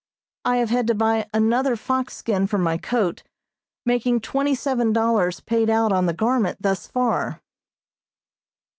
I have had to buy another fox skin for my coat, making twenty seven dollars paid out on the garment thus far.